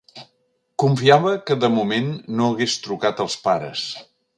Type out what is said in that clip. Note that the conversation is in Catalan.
Confiava que, de moment, no hagués trucat als pares.